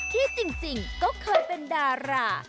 ที่จริงก็เคยเป็นดารา